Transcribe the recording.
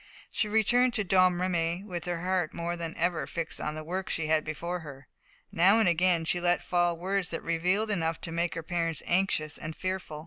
She returned to Domremy with her heart more than ever fixed on the work she had before her. Now and again she let fall words that revealed enough to make her parents anxious and fearful.